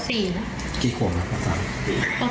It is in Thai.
กี่ขวบครับต่อ๓